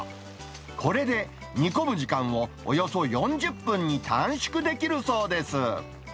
これで煮込む時間をおよそ４０分に短縮できるそうです。